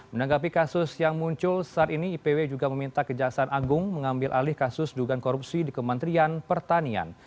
menanggapi kasus yang muncul saat ini ipw juga meminta kejaksaan agung mengambil alih kasus dugaan korupsi di kementerian pertanian